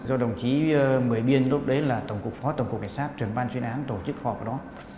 do đồng chí mười biên lúc đấy là tổng cục phó tổng cục cảnh sát trưởng ban chuyên án tổ chức họp ở đó